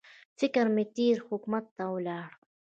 فکر مې تېر حکومت ته ولاړی.